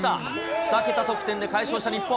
２桁得点で快勝した日本。